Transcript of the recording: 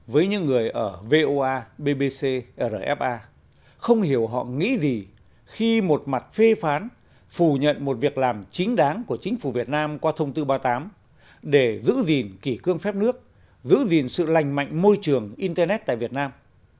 với những người ở voa bbc rfa không hiểu họ nghĩ gì khi một mặt phê phán phù nhận một việc làm chính đáng của chính phủ việt nam qua thông tư ba mươi tám để giữ gìn kỷ cương phép nước giữ gìn sự lành mạnh môi trường internet tại việt nam